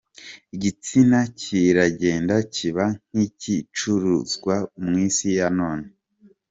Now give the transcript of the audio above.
Igitsina kiragenda kiba nk’igicuruzwa mu isi ya none.